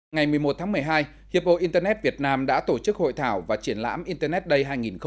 ngày một mươi một tháng một mươi hai hiệp hội internet việt nam đã tổ chức hội thảo và triển lãm internet day hai nghìn một mươi chín